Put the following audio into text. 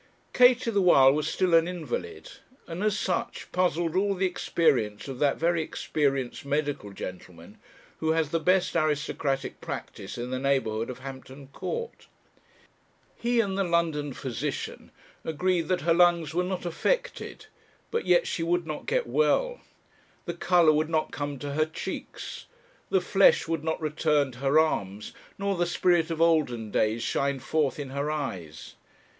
Katie, the while, was still an invalid; and, as such, puzzled all the experience of that very experienced medical gentleman, who has the best aristocratic practice in the neighbourhood of Hampton Court. He, and the London physician, agreed that her lungs were not affected; but yet she would not get well. The colour would not come to her cheeks, the flesh would not return to her arms, nor the spirit of olden days shine forth in her eyes.